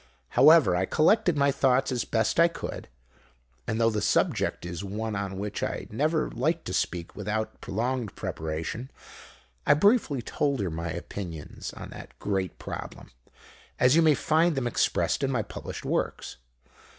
However, I collected my thoughts as best I could, and, though the subject is one on which I never like to speak without prolonged preparation, I briefly told her my opinions on that great problem, as you may find them expressed in my published works.